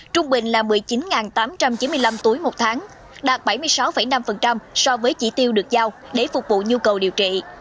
trung bình là một mươi chín tám trăm chín mươi năm túi một tháng đạt bảy mươi sáu năm so với chỉ tiêu được giao để phục vụ nhu cầu điều trị